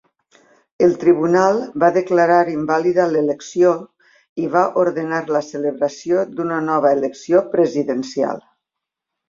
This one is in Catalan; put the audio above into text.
El tribunal va declarar invàlida l'elecció i va ordenar la celebració d'una nova elecció presidencial.